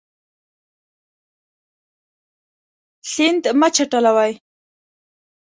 سیند مه چټلوئ.